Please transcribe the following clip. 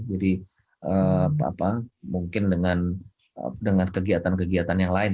jadi mungkin dengan kegiatan kegiatan yang lain